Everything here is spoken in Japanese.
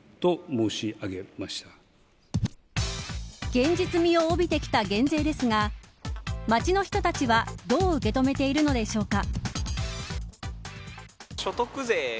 現実味を帯びてきた減税ですが街の人たちは、どう受け止めているのでしょうか。